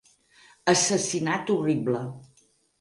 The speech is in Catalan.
Assassinat horrible